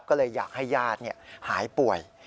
ก็เลยอยากให้ญาติหายป่วย